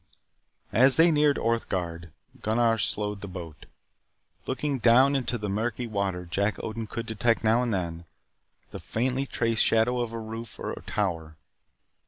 As they neared Orthe Gard, Gunnar slowed the boat. Looking down into the murky water, Jack Odin could detect, now and then, the faintly traced shadow of a roof or tower.